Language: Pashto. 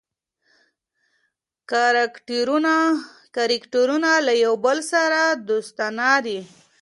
کرکټرونه له یو بل سره دوستانه دي.